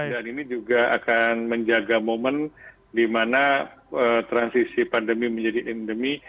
dan ini juga akan menjaga momen di mana transisi pandemi menjadi endemi